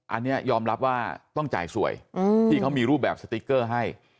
อันนี้ยอมรับว่าต้องจ่ายสวยที่เขามีรูปแบบสติ๊กเกอร์ให้